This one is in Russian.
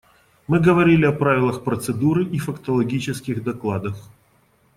Мы говорили о правилах процедуры и фактологических докладах.